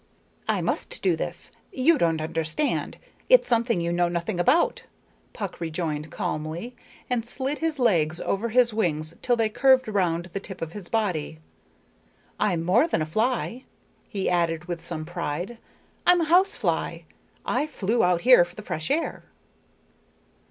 "I must do this. You don't understand. It's something you know nothing about," Puck rejoined calmly, and slid his legs over his wings till they curved round the tip of his body. "I'm more than a fly," he added with some pride. "I'm a housefly. I flew out here for the fresh air."